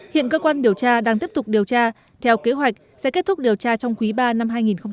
hiện cơ quan điều tra đang tiếp tục điều tra theo kế hoạch sẽ kết thúc điều tra trong quý ba năm hai nghìn hai mươi